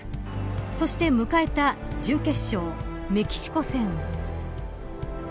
そして、迎えた準決勝メキシコ戦。